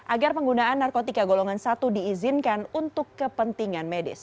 agar penggunaan narkotika golongan satu diizinkan untuk kepentingan medis